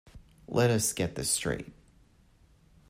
Let us get this straight.